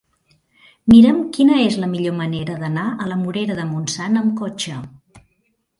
Mira'm quina és la millor manera d'anar a la Morera de Montsant amb cotxe.